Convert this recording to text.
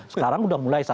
sekarang udah mulai satu